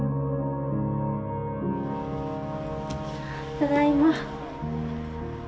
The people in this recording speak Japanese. ただいま。